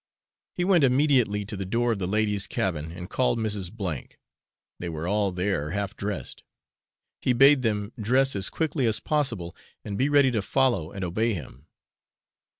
He went immediately to the door of the ladies' cabin and called Mrs. F ; they were all there half dressed; he bade them dress as quickly as possible and be ready to follow and obey him.